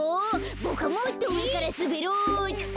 ボクはもっとうえからすべろうっと。